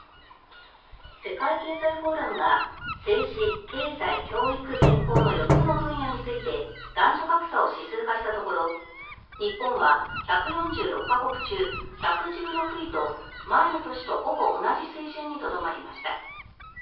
世界経済フォーラムが政治、経済、教育、健康の４つの分野について男女格差を指数化したところ日本は１４６か国中１１６位と前の年とほぼ同じ水準にとどまりました。